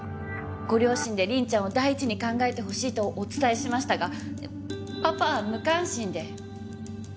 ご両親で凛ちゃんを第一に考えてほしいとお伝えしましたがパパは無関心で。